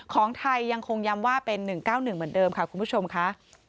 ของไทยยังคงย้ำว่าเป็น๑๙๑เหมือนเดิมค่ะคุณผู้ชมค่ะ